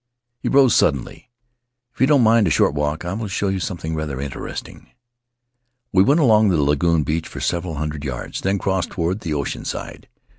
He rose suddenly. "If you don't mind a short walk, I will show you something rather interesting." We went along the lagoon beach for several hundred yards, then crossed toward the ocean side.